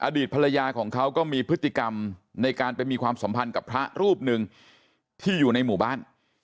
อดีตภรรยาของเขาก็มีพฤติกรรมในการไปมีความสัมพันธ์กับพระรูปหนึ่งที่อยู่ในหมู่บ้าน